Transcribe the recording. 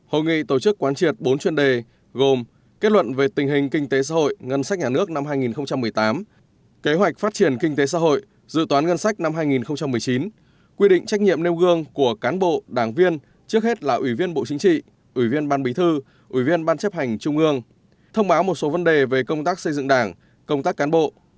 hội nghị tổ chức quán triệt bốn chuyên đề gồm kết luận về tình hình kinh tế xã hội ngân sách nhà nước năm hai nghìn một mươi tám kế hoạch phát triển kinh tế xã hội dự toán ngân sách năm hai nghìn một mươi chín quy định trách nhiệm nêu gương của cán bộ đảng viên trước hết là ủy viên bộ chính trị ủy viên ban bình thư ủy viên ban chấp hành trung ương thông báo một số vấn đề về công tác xây dựng đảng công tác cán bộ